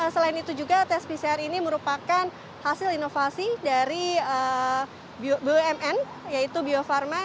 selain itu juga tes pcr ini merupakan hasil inovasi dari bumn yaitu bio farma